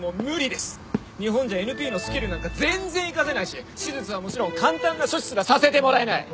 日本じゃＮＰのスキルなんか全然生かせないし手術はもちろん簡単な処置すらさせてもらえない！